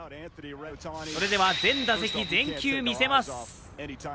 それでは全打席、全球見せます。